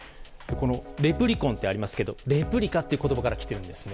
このレプリコンとありますけどレプリカという言葉から来ているんですね。